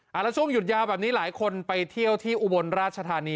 แล้วช่วงหยุดยาวแบบนี้หลายคนไปเที่ยวที่อุบลราชธานี